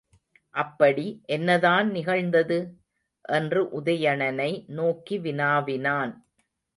அப்படி என்னதான் நிகழ்ந்தது? என்று உதயணனை நோக்கி வினாவினான்.